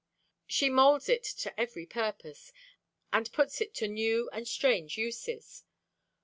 She molds it to every purpose, and puts it to new and strange uses.